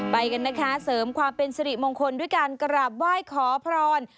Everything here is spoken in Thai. ไปกันนะคะเสริมความเป็นสิริมงคลด้วยการกราบไหว้ขอพร